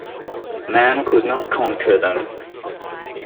Man could not conquer them.